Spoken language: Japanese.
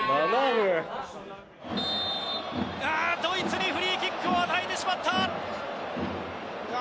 ドイツにフリーキックを与えてしまった。